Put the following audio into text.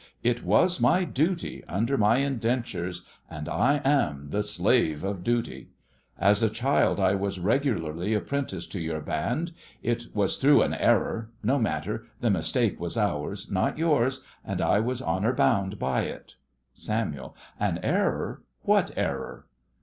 It was my duty under my indentures, and I am the slave of duty. As a child I was regularly apprenticed to your band. It was through an error — no matter, the mistake was ours, not yours, and I was in honour bound by it. SAMUEL: An error? What error?